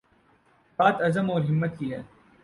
بات عزم اور ہمت کی ہے۔